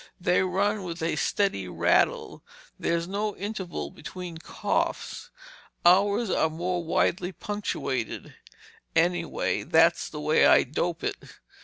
They run with a steady rattle. There's no interval between coughs. Ours are more widely punctuated. Anyhow, that's the way I dope it.